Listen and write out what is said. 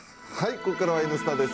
ここからは「Ｎスタ」です。